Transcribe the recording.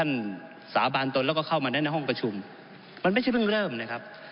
มันไม่ได้ถึงตัวท่านลำตรีอย่างที่ผมอ่านคำพิพากษาครับ